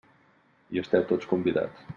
Hi esteu tots convidats!